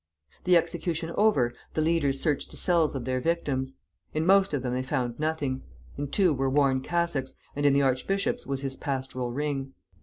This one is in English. The execution over, the leaders searched the cells of their victims. In most of them they found nothing; in two were worn cassocks, and in the archbishop's was his pastoral ring.